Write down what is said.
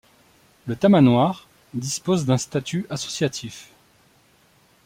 Le Tamanoir dispose d'un statut associatif.